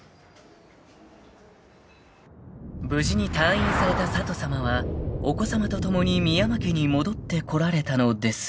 ［無事に退院された佐都さまはお子さまと共に深山家に戻ってこられたのですが］